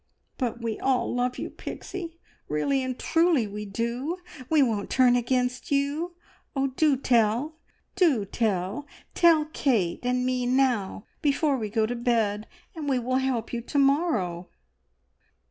But we all love you, Pixie, really and truly we do! We won't turn against you. Oh, do tell! Do tell! Tell Kate and me now before we go to bed, and we will help you to morrow."